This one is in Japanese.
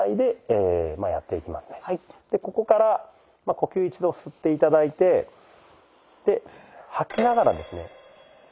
でここから呼吸一度吸って頂いてで吐きながらですね。